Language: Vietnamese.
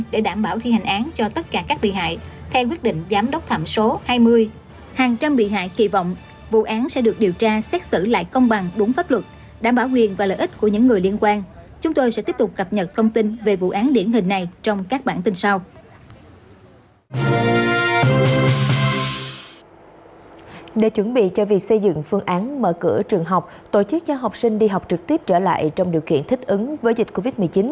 để chuẩn bị cho việc xây dựng phương án mở cửa trường học tổ chức cho học sinh đi học trực tiếp trở lại trong điều kiện thích ứng với dịch covid một mươi chín